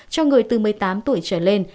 cho người từ một mươi tám tuổi trở lại